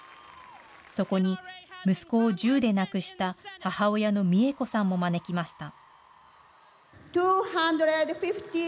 そこに息子を銃で亡くした母親の美恵子さんも招きました。